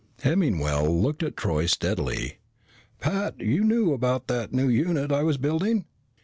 Hemmingwell looked at Troy steadily. "Pat, you knew about that new unit I was building?"